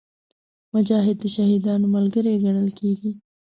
مجاهد د شهیدانو ملګری ګڼل کېږي.